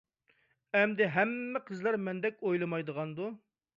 ئەمدى ھەممە قىزلار مەندەك ئويلىمايدىغاندۇ.